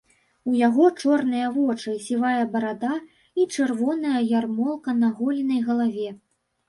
У яго чорныя вочы, сівая барада і чырвоная ярмолка на голенай галаве.